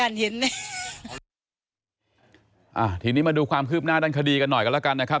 อ่าที่นี่มาดูความคืบหน้าดันคดีกันน้อยก็ละกันนะครับ